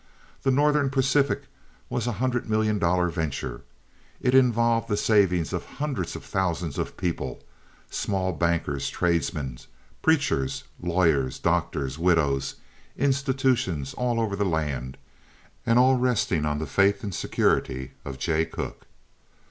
The Northern Pacific was a hundred million dollar venture. It involved the savings of hundreds of thousands of people—small bankers, tradesmen, preachers, lawyers, doctors, widows, institutions all over the land, and all resting on the faith and security of Jay Cooke.